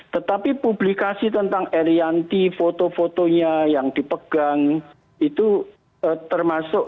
tetapi publikasi tentang erianti foto fotonya yang dipegang itu termasuk